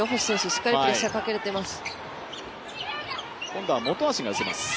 しっかりプレッシャーかけれてます。